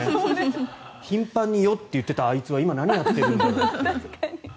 頻繁によっと言ってたあいつは今、何やってるんだみたいな。